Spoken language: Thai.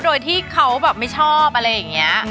โดยที่เขาแบบไม่ชอบอะไรอย่างนี้